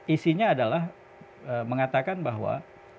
isinya adalah mengatakan bahwa